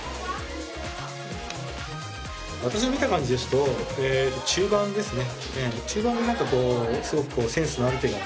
私の見た感じですとえっと中盤ですね。